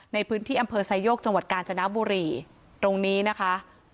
ในพื้นที่อำเภอไซโยกจังหวัดกาญจนบุรีตรงนี้นะคะ